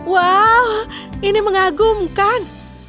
wow ini mengagumkan